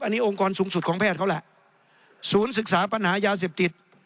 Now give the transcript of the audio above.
อันนี้องค์กรสูงสุดของแพทย์เขาแหละศูนย์ศึกษาปัญหายาเสพติด